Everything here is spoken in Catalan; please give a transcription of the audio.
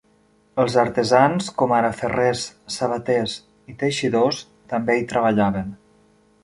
Els artesans, com ara ferrers, sabaters i teixidors també hi treballaven.